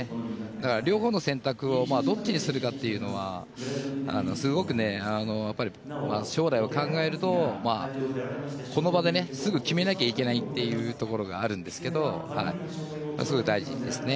だから両方の選択をどっちにするかというのはすごく、将来を考えるとこの場ですぐに決めなきゃいけないというところがあるんですけどすごい大事ですね。